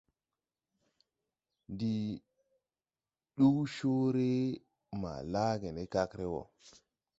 Ndi duu coore maa laage ne kagre wɔɔ.